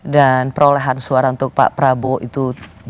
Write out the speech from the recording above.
dan perolehan suara untuk pak prabowo itu juga